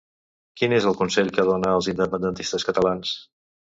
Quin és el consell que dona als independentistes catalans?